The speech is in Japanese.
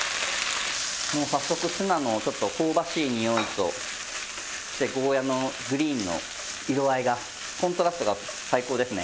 もう早速ツナのちょっと香ばしいにおいとそしてゴーヤーのグリーンの色合いがコントラストが最高ですね。